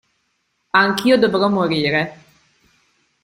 Anch'io dovrò morire.